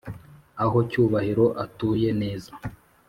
aho cyubahiro atuye neza